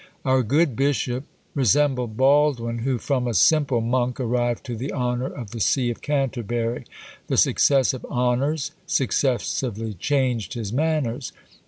Our good bishop resembled Baldwin, who from a simple monk, arrived to the honour of the see of Canterbury. The successive honours successively changed his manners.